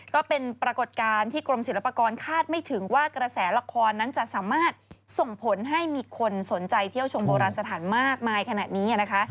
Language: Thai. ก็เป็นปรากฏการณ์ที่กรมศิลปากรคาดไม่ถึงว่ากระแสละครนั้นจะสามารถส่งผลให้มีคนสนใจเที่ยวชมโบราณสถานมากมายขนาดนี้นะคะ